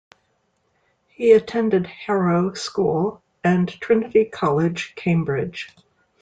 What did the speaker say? He attended Harrow School and Trinity College, Cambridge.